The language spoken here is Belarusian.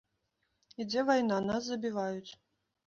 Ідзе вайна, нас забіваюць.